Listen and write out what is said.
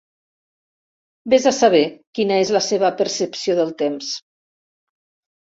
Ves a saber quina és la seva percepció del temps!